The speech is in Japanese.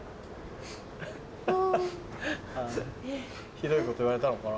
ひどいこと言われたのかな？